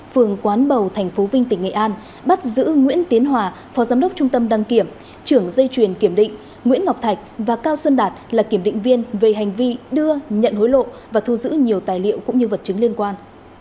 phường quán bầu tp vinh tỉnh nghệ an bắt giữ nguyễn tiến hòa phó giám đốc trung tâm đăng kiểm trưởng dây truyền kiểm định nguyễn ngọc thạch và cao xuân đạt là kiểm định viên về hành vi đưa nhận hối lộ và thu giữ nhiều tài liệu cũng như vật chứng liên quan